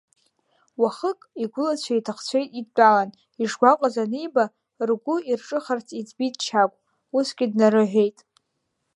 Уахык, игәылацәеи иҭахцәеи идтәалан, ишгәаҟыз аниба, ргәы ирҿыхарц иӡбит Чагә, усгьы днарыҳәеит…